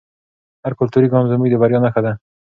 هر کلتوري ګام زموږ د بریا نښه ده.